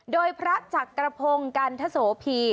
โดยพระจักรพงศ์กันทโสพี